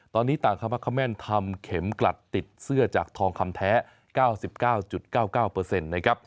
ตอนนี้ต่างคามะคแม่นทำเข็มกลัดติดเสื้อจากทองคำแท้๙๙๙๙๙นะครับ